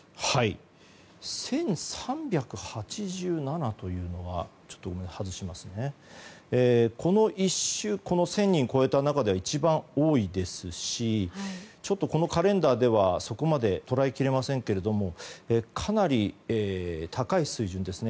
１３８７というのはこの１０００人超えた中では一番多いですしこのカレンダーではそこまで捉えきれませんがかなり高い数字ですね。